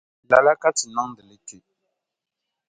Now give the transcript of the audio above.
Lala ka ti niŋdili kpe.